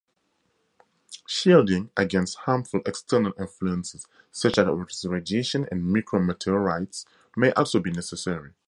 Shielding against harmful external influences such as radiation and micro-meteorites may also be necessary.